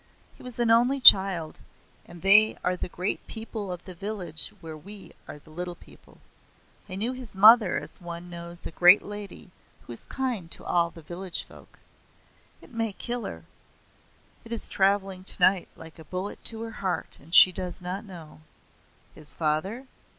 He was an only child, and they are the great people of the village where we are the little people. I knew his mother as one knows a great lady who is kind to all the village folk. It may kill her. It is travelling tonight like a bullet to her heart, and she does not know." "His father?"